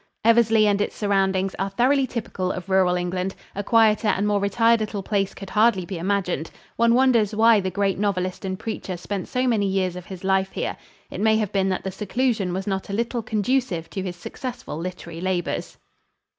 Eversley and its surroundings are thoroughly typical of rural England. A quieter and more retired little place could hardly be imagined. One wonders why the great novelist and preacher spent so many years of his life here. It may have been that the seclusion was not a little conducive to his successful literary labors.